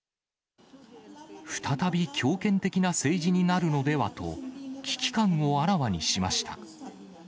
再び強権的な政治になるのではと、危機感をあらわにしました。